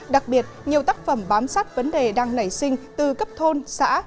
đặc biệt nhiều tác phẩm bám sát vấn đề đang nảy sinh từ cấp thôn xã